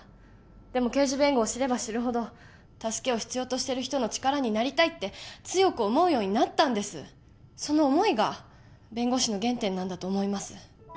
でも刑事弁護を知れば知るほど助けを必要としてる人の力になりたいと強く思うようになったその思いが弁護士の原点なんだと思います